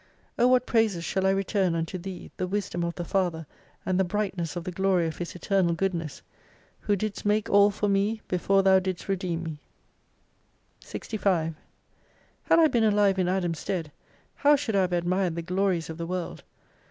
O what praises shall I return unto Thee, the wisdom of the Father, and the brightness of the glory of His Eternal Goodness ! Who didst make all for me before Thou didst redeem me. 46 65 " Had 1 been alive in Adam's stead, how should I have admired the Glories of the World